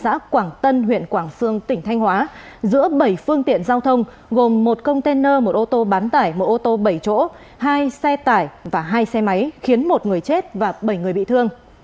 xã quảng tân huyện quảng sương tỉnh thanh hóa giữa bảy phương tiện giao thông gồm một container một ô tô bán tải một ô tô bảy chỗ hai xe tải và hai xe máy khiến một người chết và bảy người bị thương